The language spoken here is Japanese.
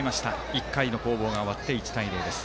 １回の攻防が終わって１対０です。